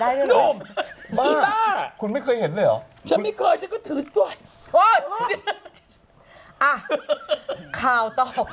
อี้ชั่ว